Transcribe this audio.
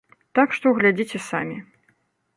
Так што, глядзіце самі.